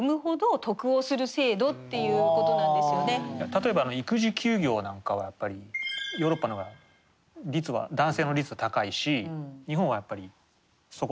例えば育児休業なんかはやっぱりヨーロッパの方が男性の率が高いし日本はやっぱりそこまでじゃない。